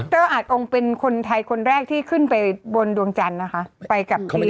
อาจองค์เป็นคนไทยคนแรกที่ขึ้นไปบนดวงจันทร์นะคะไปกับปี